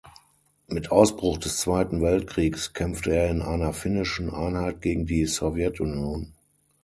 Mit Ausbruch des Zweiten Weltkriegs kämpfte er in einer finnischen Einheit gegen die Sowjetunion.